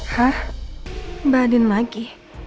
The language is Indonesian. hah mbak adin lagi